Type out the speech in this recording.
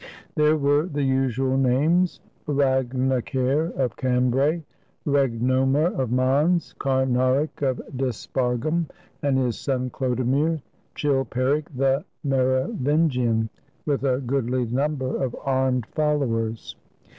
There were the usual names, Rag nacair of Cambray, Regnomer of Mans, Carnaric of Dispargum, and his son, Chlodomir, Chilperic the Mero vingian, with a goodly number of armed followers.